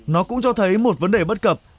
nó cũng cho thấy một vấn đề bất cập